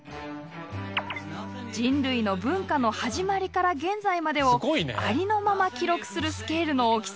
人類の文化の始まりから現在までをありのまま記録するスケールの大きさ。